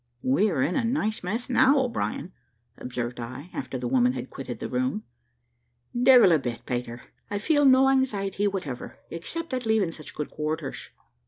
"We are in a nice mess now, O'Brien," observed I, after the woman had quitted the room. "Devil a bit, Peter; I feel no anxiety whatever, except at leaving such good quarters."